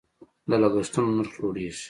د لګښتونو نرخ لوړیږي.